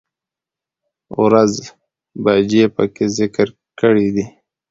،ورځ، بجې په کې ذکر کړى دي